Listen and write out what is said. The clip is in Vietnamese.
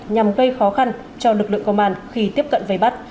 nhằm gây khó khăn cho lực lượng công an khi tiếp cận vây bắt